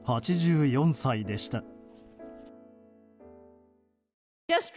８４歳でした。